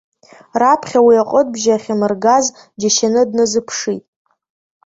Раԥхьа уи аҟыт-бжьы ахьамыргаз џьашьаны дназыԥшит.